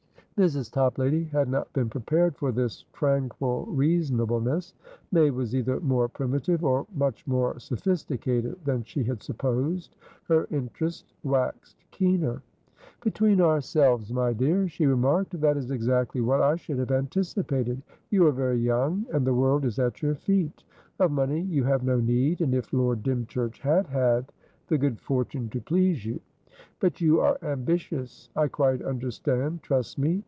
Mrs. Toplady had not been prepared for this tranquil reasonableness. May was either more primitive, or much more sophisticated, than she had supposed. Her interest waxed keener. "Between ourselves, my dear," she remarked, "that is exactly what I should have anticipated. You are very young, and the world is at your feet. Of money you have no need, and, if Lord Dymchurch had had the good fortune to please you. But you are ambitious. I quite understand; trust me.